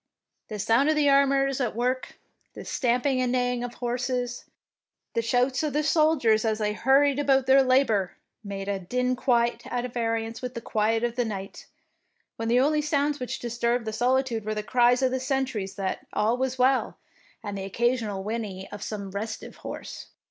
The sound of the armourers at work, the stamping and neighing of horses, the shouts of the soldiers as they hurried about their labour, made a din quite at variance with the quiet of the night, when the only sounds which disturbed the soli tude were the cries of the sentries that all was well, and the occasional whinny of some restive horse.